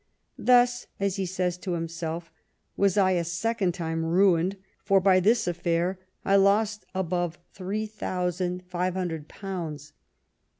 " Thus," as he says himself, '^ was I a second time ruined, for bv this affair I lost 76 DISSENT AND DEFOE above three thousand five hundred pounds.'